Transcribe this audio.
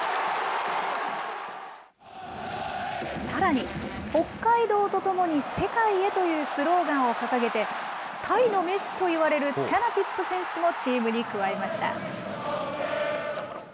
さらに、北海道とともに、世界へというスローガンを掲げて、タイのメッシといわれるチャナティップ選手もチームに加えました。